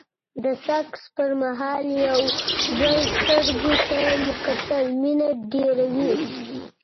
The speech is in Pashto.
د سکس پر مهال د يو بل سترګو ته کتل مينه ډېروي.